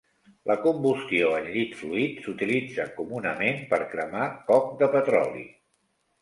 La combustió en llit fluid s'utilitza comunament per cremar coc de petroli.